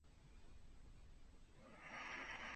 Es el único edificio que queda del conjunto original.